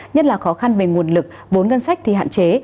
nhất là khó khăn về nguồn lực vốn ngân sách thì hạn chế